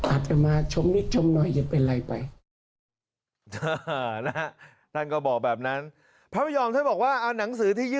อาจจะมาชมนิดชมหน่อยจะเป็นอะไรไป